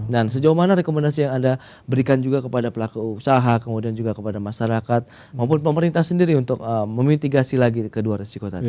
dan sejauh mana rekomendasi yang anda berikan juga kepada pelaku usaha kemudian juga kepada masyarakat maupun pemerintah sendiri untuk memitigasi lagi kedua resiko tadi ya